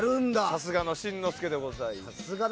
さすがの新之助でございます。